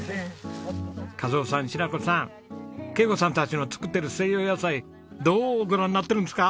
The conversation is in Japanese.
一雄さんしな子さん恵子さんたちの作ってる西洋野菜どうご覧になってるんですか？